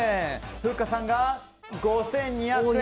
ふっかさんが５２００円。